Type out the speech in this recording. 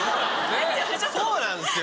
そうなんですよ。